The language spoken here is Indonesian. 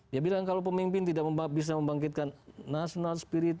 dia bilang kalau pemimpin tidak bisa membangkitkan national spirit